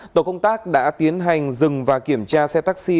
tổ công tác đã tiến hành dừng và kiểm tra xe taxi